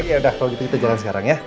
yaudah kalau gitu kita jalan sekarang ya